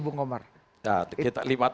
ya saya cukup tepat